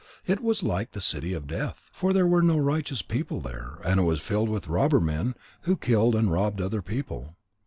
It was like the city of Death; for there were no righteous people there, and it was filled with robber men who killed and robbed other people.